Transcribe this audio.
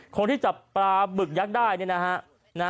คนที่จับปลาบึกยักษ์ได้เนี่ยนะฮะ